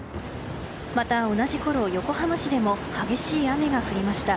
また同じころ、横浜市でも激しい雨が降りました。